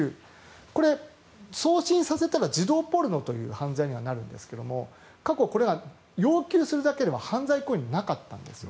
これ、送信させたら児童ポルノという犯罪にはなるんですが過去これは要求するだけでは犯罪行為ではなかったんです。